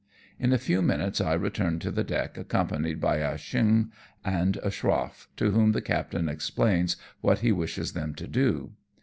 In a few minutes I return to the deck, accompanied by. Ah Cheong and a schroff, to whom the captain explains what he wishes them to do.